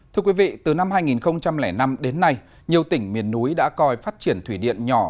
thưa quý vị từ năm hai nghìn năm đến nay nhiều tỉnh miền núi đã coi phát triển thủy điện nhỏ